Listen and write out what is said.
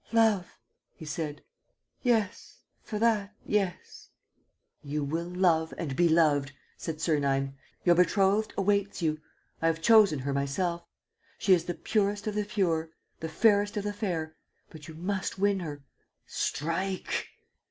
"Love," he said, "yes ... for that, yes. ..." "You will love and be loved," said Sernine. "Your betrothed awaits you. I have chosen her myself. She is the purest of the pure, the fairest of the fair. But you must win her. Strike!"